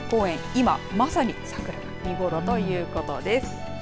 今まさに桜見頃ということです。